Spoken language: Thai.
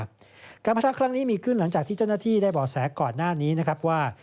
การประทะครั้งนี้มีขึ้นหลังจากที่เจ้าหน้าที่ได้บ่อแสก่อนหน้านี้นะครับว่า